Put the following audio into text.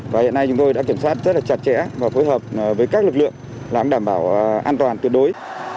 và hiện nay chúng tôi đã kiểm soát rất là chặt chẽ và phối hợp với các lực lượng làm đảm bảo an toàn tuyệt đối